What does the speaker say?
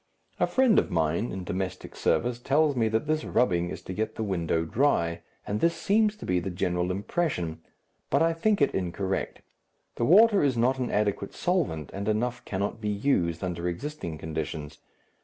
A friend of mine in domestic service tells me that this rubbing is to get the window dry, and this seems to be the general impression, but I think it incorrect. The water is not an adequate solvent, and enough cannot be used under existing conditions.